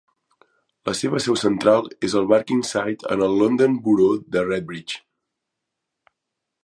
La seva seu central és a Barkingside en el London Borough de Redbridge.